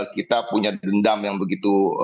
kita punya dendam yang begitu